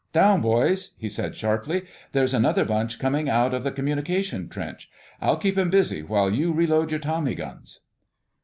"Down, boys!" he said sharply. "There's another bunch coming out of the communication trench. I'll keep 'em busy while you reload your tommy guns."